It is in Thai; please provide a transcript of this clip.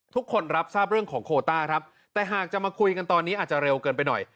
ทุกคนรับทราบเรื่องของโคต้าครับแต่หากจะมาคุยกันตอนนี้อาจจะเร็วเกินไปหน่อย